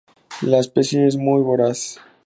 La especie es muy voraz.